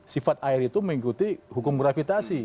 sifat air itu mengikuti hukum gravitasi